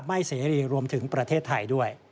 เสรีรวมถึงประเทศไทยด้วย